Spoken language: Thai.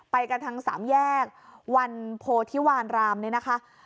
ไปกันทางสามแยกวันโพธิวานรามเนี่ยนะคะ